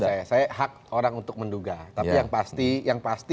nggak tahu saya saya hak orang untuk menduga tapi yang pasti